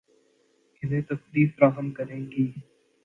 انھیں تفریح فراہم کریں گی